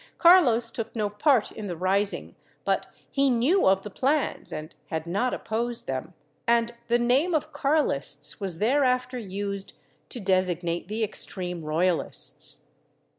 Carlos took no part in the rising, but he knew of the plans and had not opposed them, and the name of Carlists was thereafter used to designate the extreme royalists.